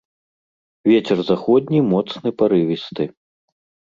Вецер заходні моцны парывісты.